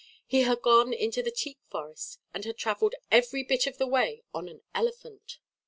He had gone into the teak forest, and had travelled every bit of the way on an elephant.